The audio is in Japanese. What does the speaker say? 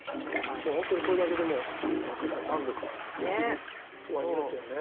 もう本当にこれだけでもなんか満足できるお味ですよね。